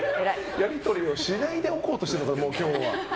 やり取りをしないでおこうとしてるな、今日は。